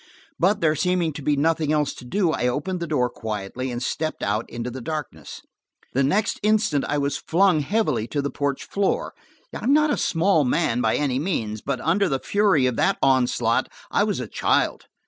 But, there seeming to be nothing else to do, I opened the door quietly and stepped out into the darkness. The next instant I was flung heavily to the porch floor. I am not a small man by any means, but under the fury of that onslaught I was a child.